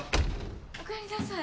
おかえりなさい。